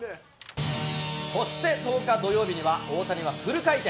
そして、１０日土曜日には大谷はフル回転。